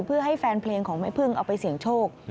เพื่อให้แฟนเพลงของแม่พึ่งเอาไปเสี่ยงโชค